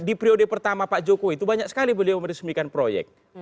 di periode pertama pak jokowi itu banyak sekali beliau meresmikan proyek